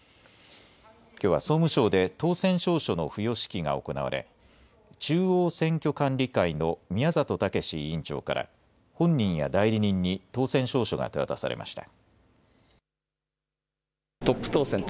きょうは総務省で当選証書の付与式が行われ、中央選挙管理会の宮里猛委員長から、本人や代理人に当選証書が手渡されました。